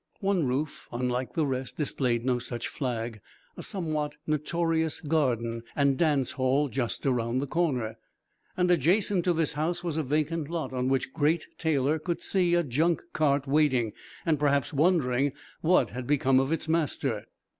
One roof, unlike the rest, displayed no such flag a somewhat notorious "garden" and dance hall just around the corner. And adjacent to this house was a vacant lot on which Great Taylor could see a junk cart waiting, and perhaps wondering what had become of its master.